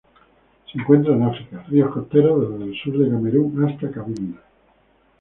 Se encuentran en África: ríos costeros desde el sur de Camerún hasta Cabinda.